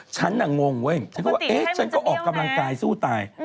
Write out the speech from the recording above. ฉันน่ะงงเว้ยฉันก็ว่าเอ๊ะฉันก็ออกกำลังกายสู้ตาย